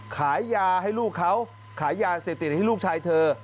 ขายยาให้ลูกเขาขายยาเสพติดให้ลูกชายเธอ